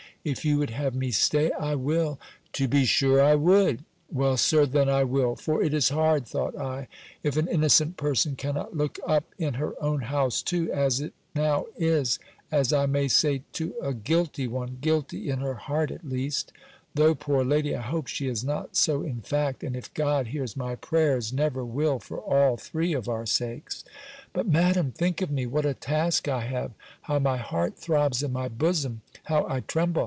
If you would have me stay, I will." "To be sure I would." "Well, Sir, then I will. For it is hard," thought I, "if an innocent person cannot look up in her own house too, as it now is, as I may say, to a guilty one! Guilty in her heart, at least! Though, poor lady, I hope she is not so in fact; and, if God hears my prayers, never will, for all three of our sakes." But, Madam, think of me, what a task I have! How my heart throbs in my bosom! How I tremble!